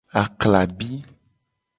Aklabi.